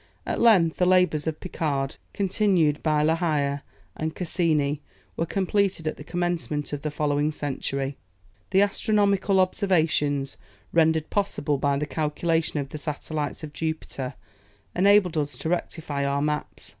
At length the labours of Picard, continued by La Hire and Cassini, were completed at the commencement of the following century. The astronomical observations, rendered possible by the calculation of the satellites of Jupiter, enabled us to rectify our maps.